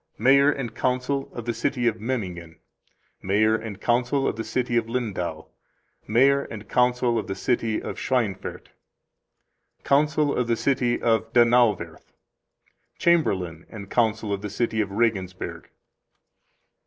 Mayor and Council of the City of Memmingen. Mayor and Council of the City of Lindau. Mayor and Council of the City of Schweinfurt. Council of the City of Donauwoerth. Chamberlain and Council of the City of Regensburg.